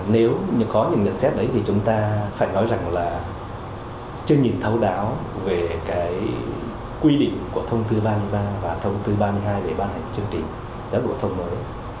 nếu có những nhận xét đấy thì chúng ta phải nói rằng là chưa nhìn thấu đáo về cái quy định của thông tư ba mươi ba và thông tư ba mươi hai về ban hành chương trình giáo dục phổ thông mới